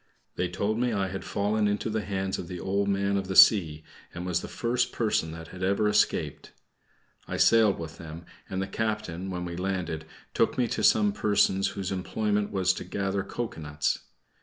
They told me I had fallen into the hands of the Old Man of the Sea, and was the first person that had ever escaped. I sailed with them, and the captain, when we landed, took me to some persons whose employment was to gather cocoanuts.